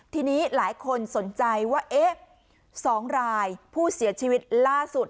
ทีนี้หลายคนสนใจว่าเอ๊ะ๒รายผู้เสียชีวิตล่าสุด